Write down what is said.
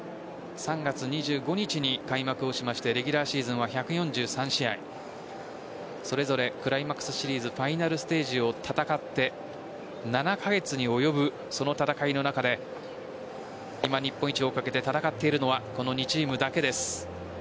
３月２５日に開幕をしてレギュラーシーズンは１４３試合それぞれクライマックスシリーズファイナルステージを戦って７カ月に及ぶその戦いの中で今、日本一をかけて戦っているのはこの２チームだけです。